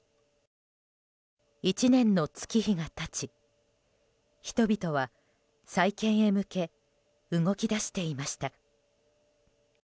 １年の月日が経ち人々は再建へ向け動き出していました。